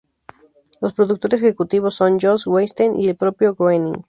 Los productores ejecutivos son Josh Weinstein y el propio Groening.